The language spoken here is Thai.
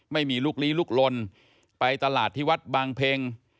ไม่มีลูกลีลุกลนไปตลาดที่วัดบางเพ็ง